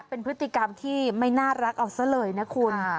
เป็นพฤติกรรมที่ไม่น่ารักเอาซะเลยนะคุณ